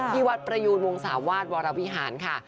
ที่วัดประยูนวงศาวาสวรวิหารค่ะ